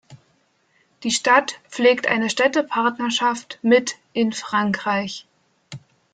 Die Stadt pflegt eine Städtepartnerschaft mit in Frankreich.